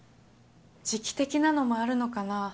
時期的なのもあるのかな。